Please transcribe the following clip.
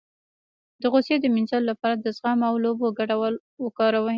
د غوسې د مینځلو لپاره د زغم او اوبو ګډول وکاروئ